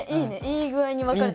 いい具合に分かれたね。